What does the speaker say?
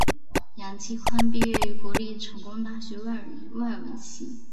杨基宽毕业于国立成功大学外文系。